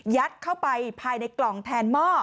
เข้าไปภายในกล่องแทนหม้อ